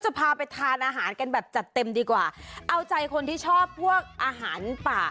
จะพาไปทานอาหารกันแบบจัดเต็มดีกว่าเอาใจคนที่ชอบพวกอาหารป่า